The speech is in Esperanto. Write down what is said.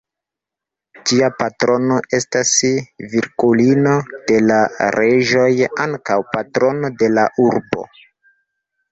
Ĝia patrono estas Virgulino de la Reĝoj, ankaŭ patrono de la urbo.